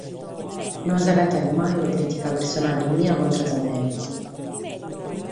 No as a agatare mai una crìtica personale mea contra a nemos.